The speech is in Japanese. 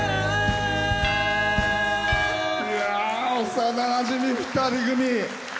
幼なじみ２人組。